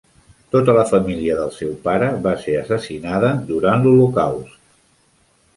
Tota la família del seu pare va ser assassinada durant l'Holocaust.